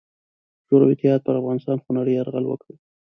شوروي اتحاد پر افغانستان خونړې یرغل وکړ.